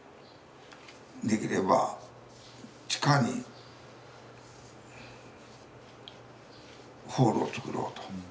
できれば地下にホールをつくろうと。